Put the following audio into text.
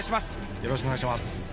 よろしくお願いします